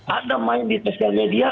ada main di sosial media